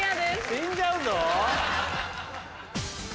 死んじゃうぞ。